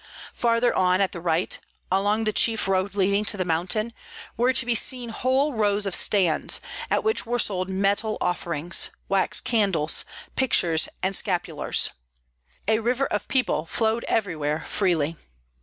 Farther on, at the right, along the chief road leading to the mountain, were to be seen whole rows of stands, at which were sold metal offerings, wax candles, pictures, and scapulars. A river of people flowed everywhere freely.